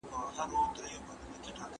ضعیف معافیت لرونکي باید ژر برس بدل کړي.